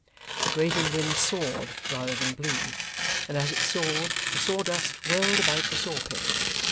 The grating wind sawed rather than blew; and as it sawed, the sawdust whirled about the sawpit.